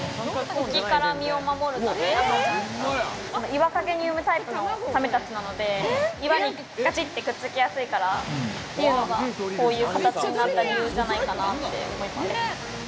敵から身を守るため、岩陰に産むタイプのサメたちなので、岩にくっつきやすいからというのが、こういう形になった理由じゃないかなって思います。